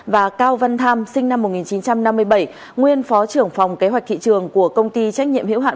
và cao văn tham sinh năm một nghìn chín trăm năm mươi bảy nguyên phó trưởng phòng kế hoạch thị trường của công ty trách nhiệm hiệu hạn